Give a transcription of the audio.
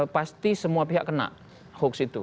pasti semua pihak kena hoax itu